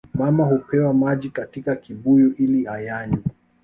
Mama hupewa maji katika kibuyu ili ayanywe